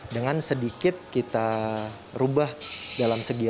dengan sedikit kita ubah dalam segi rasa